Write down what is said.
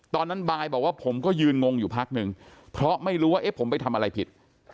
บายบอกว่าผมก็ยืนงงอยู่พักนึงเพราะไม่รู้ว่าเอ๊ะผมไปทำอะไรผิด